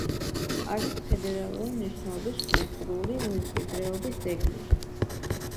არის ფედერალური მნიშვნელობის კულტურული მემკვიდრეობის ძეგლი.